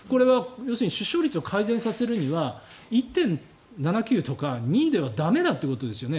出生率を改善させるには１．７９とか２では駄目だということですよね。